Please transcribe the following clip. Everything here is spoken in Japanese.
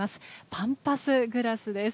パンパスグラスです。